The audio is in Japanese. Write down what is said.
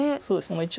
そうですね。